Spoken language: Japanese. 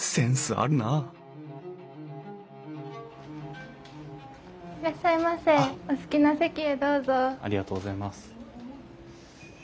ありがとうございます。